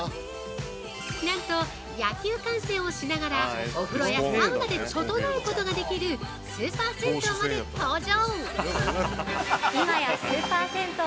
なんと野球観戦をしながらお風呂やサウナでととのうことができるスーパー銭湯まで登場！